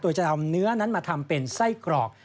โดยจะเอาเนื้อนั้นมาทำเป็นไส้กรอก